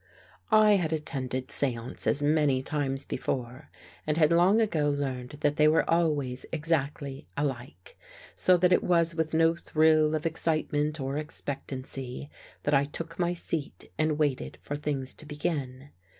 I had attended seances many times before and had long ago learned that they were always exactly alike, so that it was with no thrill of excitement or expectancy that I took my seat and waited for things to begin.